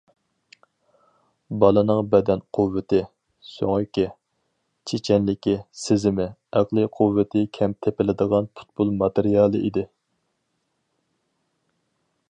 بالىنىڭ بەدەن قۇۋۋىتى، سۆڭىكى، چېچەنلىكى، سېزىمى، ئەقلىي قۇۋۋىتى كەم تېپىلىدىغان پۇتبول ماتېرىيالى ئىدى.